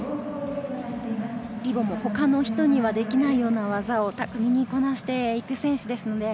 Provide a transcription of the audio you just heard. リボンも他の人にはできないような技をこなしていく選手です。